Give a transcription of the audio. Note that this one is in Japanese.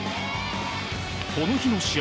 この日の試合